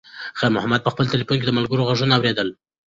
خیر محمد په خپل تلیفون کې د ملګرو غږونه اورېدل.